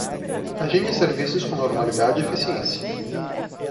Agende serviços com normalidade e eficiência.